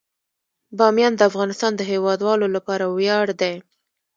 بامیان د افغانستان د هیوادوالو لپاره ویاړ دی.